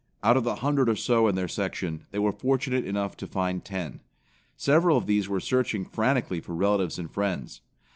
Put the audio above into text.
Out of the hundred or so in their section, they were fortunate enough to find ten. Several of these were searching frantically for relatives and friends.